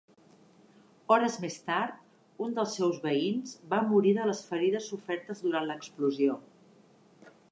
Hores més tard, un dels seus veïns va morir de les ferides sofertes durant l'explosió.